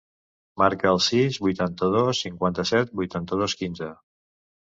Marca el sis, vuitanta-dos, cinquanta-set, vuitanta-dos, quinze.